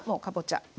かぼちゃ